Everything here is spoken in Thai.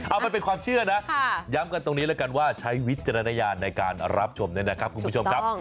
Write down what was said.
เอามันเป็นความเชื่อนะย้ำกันตรงนี้แล้วกันว่าใช้วิจารณญาณในการรับชมด้วยนะครับคุณผู้ชมครับ